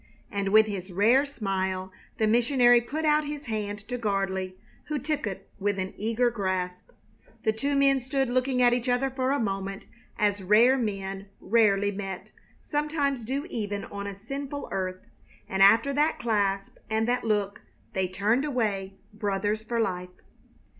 And with his rare smile the missionary put out his hand to Gardley, who took it with an eager grasp. The two men stood looking at each other for a moment, as rare men, rarely met, sometimes do even on a sinful earth; and after that clasp and that look they turned away, brothers for life.